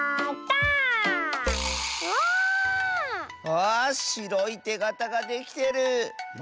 わしろいてがたができてる！